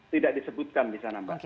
tidak disebutkan bisa nambah